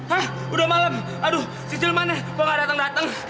hah udah malem aduh sisil mana gue gak dateng dateng